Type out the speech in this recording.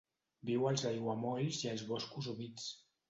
Viu als aiguamolls i als boscos humits.